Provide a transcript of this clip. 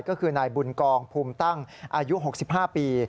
ก็คือนายบุญกองภูมิตั้งอายุ๖๕ปี